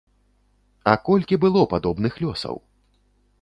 А колькі было падобных лёсаў?